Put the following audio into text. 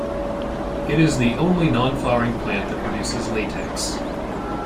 It is the only non-flowering plant that produces latex.